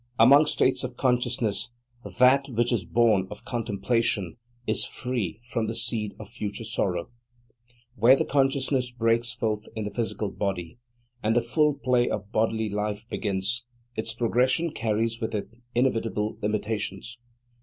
Among states of consciousness, that which is born of Contemplation is free from the seed of future sorrow. Where the consciousness breaks forth in the physical body, and the full play of bodily life begins, its progression carries with it inevitable limitations.